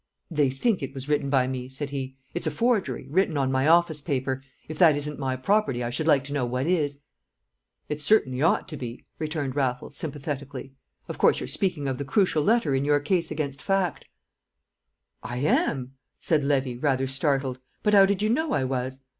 "They think it was written by me," said he. "It's a forgery, written on my office paper; if that isn't my property, I should like to know what is?" "It certainly ought to be," returned Raffles, sympathetically. "Of course you're speaking of the crucial letter in your case against Fact?" "I am," said Levy, rather startled; "but 'ow did you know I was?"